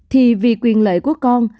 thì vì quyền lợi của con